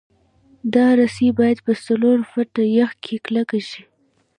دا رسۍ باید په څلور فټه یخ کې کلکې شي